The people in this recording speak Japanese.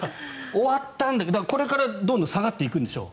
終わったんだけどこれからどんどん下がっていくんでしょう。